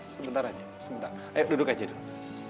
sebentar aja sebentar ayo duduk aja dulu